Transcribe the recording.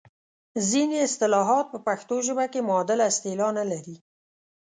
ځینې اصطلاحات په پښتو ژبه کې معادله اصطلاح نه لري.